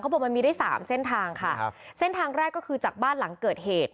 เขาบอกว่ามันมีได้๓เส้นทางค่ะเส้นทางแรกก็คือจากบ้านหลังเกิดเหตุ